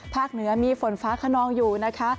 เหนือมีฝนฟ้าขนองอยู่นะคะ